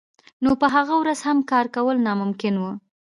نو په هغه ورځ هم کار کول ناممکن وو